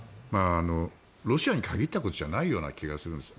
ロシアに限ったことじゃないような気がするんです。